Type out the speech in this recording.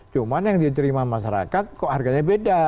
cuma yang diterima masyarakat kok harganya beda